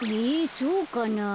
そうかな。